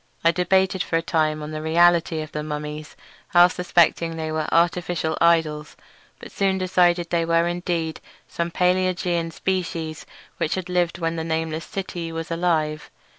I debated for a time on the reality of the mummies, half suspecting they were artificial idols; but soon decided they were indeed some palaeogean species which had lived when the nameless city was alive.